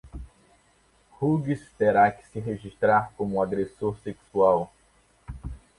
Hughes terá que se registrar como agressor sexual.